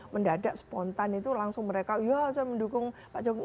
mendadak spontan itu langsung mereka ya saya mendukung pak jokowi